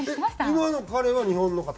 今の彼は日本の方？